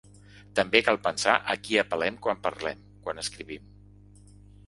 També cal pensar a qui apel·lem quan parlem, quan escrivim.